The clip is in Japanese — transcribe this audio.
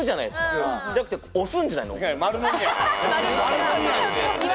そうじゃなくて押すんじゃないの？